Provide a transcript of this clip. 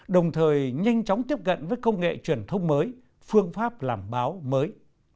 đồng thời nhanh chóng tiếp cận với công nghệ truyền thông mới phương pháp làm báo mới